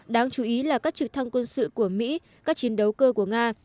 đáng chú ý là các trực thăng quân sự của mỹ các chiến đấu cơ của nga